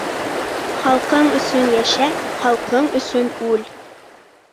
Халҡың өсөн йәшә, халҡың өсөн үл.